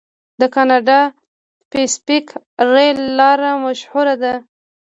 د کاناډا پیسفیک ریل لار مشهوره ده.